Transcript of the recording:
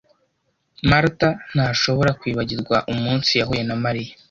Marta ntashobora kwibagirwa umunsi yahuye na Mariya